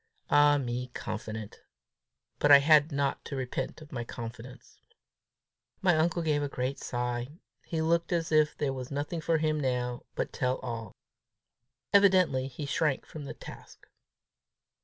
Ah me, confident! But I had not to repent of my confidence! My uncle gave a great sigh. He looked as if there was nothing for him now but tell all. Evidently he shrank from the task.